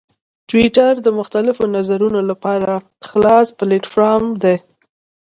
ټویټر د مختلفو نظرونو لپاره خلاص پلیټفارم دی.